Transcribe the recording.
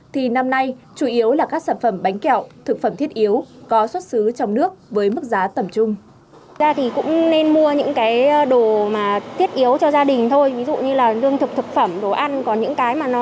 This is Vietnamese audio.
thì năm nay chủ yếu là các sản phẩm bánh kẹo thực phẩm thiết yếu có xuất xứ trong nước với mức giá tẩm trung